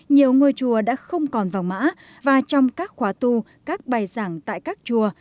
nhiều ngôi chùa đã không còn vàng mã và trong các khóa tu các bài giảng tại các chùa